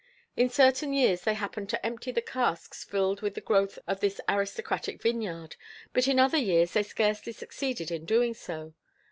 In certain years they happened to empty the casks filled with the growth of this aristocratic vineyard, but in other years they scarcely succeeded in doing so.